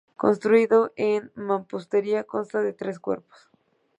Construido en mampostería, consta de tres cuerpos.